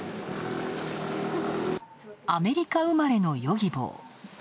アメリカ生まれのヨギボー。